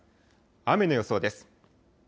雨の予想です。